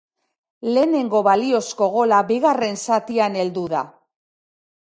Lehenengo baliozko gola bigarren zatian heldu da.